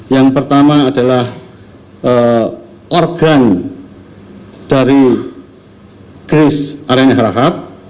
yang pertama adalah organ dari geris rna harap harap